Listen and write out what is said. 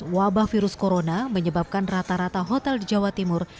wabah virus corona menyebabkan rata rata hotel di jawa timur